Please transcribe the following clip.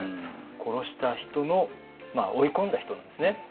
殺した人の追い込んだ人のですね